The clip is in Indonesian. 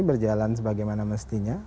berjalan sebagaimana mestinya